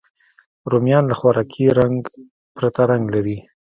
رومیان له خوراکي رنګ پرته رنګ لري